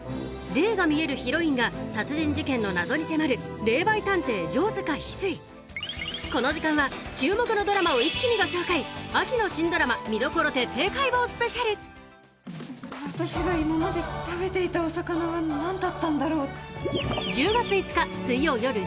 霊が見えるヒロインが殺人事件の謎に迫るこの時間は注目のドラマを一気にご紹介秋の新ドラマ私が今まで食べていたお魚は何だったんだろう。